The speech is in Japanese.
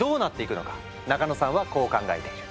中野さんはこう考えている。